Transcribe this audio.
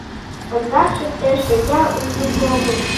Ондакше тыште ял лийын огыл.